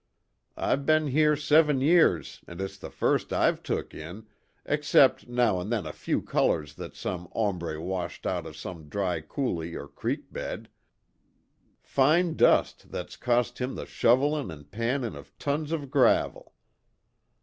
I've be'n here seven years and it's the first I've took in, except now and then a few colors that some hombre's washed out of some dry coulee or creek bed fine dust that's cost him the shovelin' an' pannin' of tons of gravel.